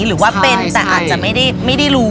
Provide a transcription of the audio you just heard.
หรือว่าเป็นแต่อาจจะไม่ได้รู้